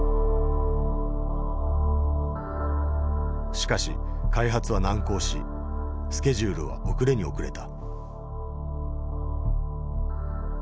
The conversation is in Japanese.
しかし開発は難航しスケジュールは遅れに遅れた。